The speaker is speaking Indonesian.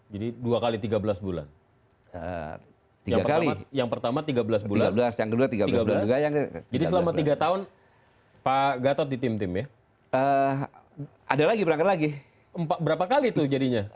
jadi selama tiga tahun pak gatot di tim tim ya ada lagi berangkat lagi berapa kali tuh jadinya